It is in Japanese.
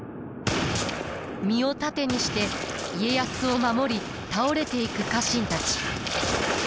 身を盾にして家康を守り倒れていく家臣たち。